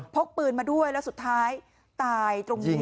กปืนมาด้วยแล้วสุดท้ายตายตรงนี้